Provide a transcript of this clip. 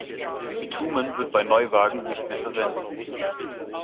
Bitumen wird bei Neuwagen nicht mehr verwendet.